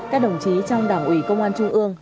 các đồng chí trong đảng ủy công an trung ương